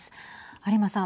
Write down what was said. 有馬さん。